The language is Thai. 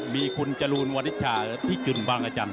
มีคุณจรูนวทิจจ้ะหรือพี่จุนบังอาจันทร์